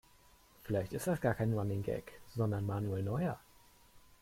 Vielleicht ist das gar kein Running Gag, sondern Manuel Neuer.